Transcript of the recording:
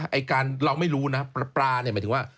อะไรกันเราไม่รู้นะปลานี่หมายถึงว่า